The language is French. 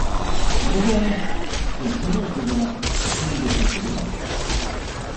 Au revoir ! ils sont étonnants ces gens-là ! ils n’ont donc pas sommeil.